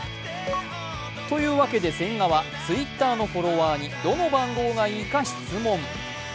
というわけで千賀はＴｗｉｔｔｅｒのフォロワーにどの番号がいいか質問。